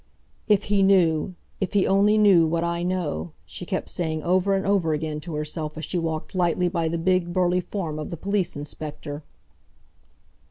"If he knew—if he only knew what I know!" she kept saying over and over again to herself as she walked lightly by the big, burly form of the police inspector.